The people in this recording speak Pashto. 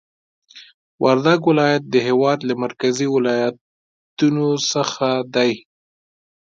وردګ ولایت د هېواد له مرکزي ولایتونو څخه دی